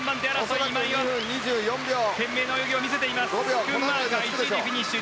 スクンマーカー１位でフィニッシュ